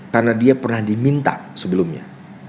karena dia pernah diminta sebelumnya